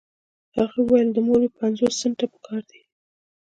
هغې وويل د مور مې پنځوس سنټه پهکار دي.